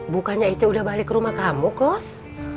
bukannya icw udah balik ke rumah kamu kos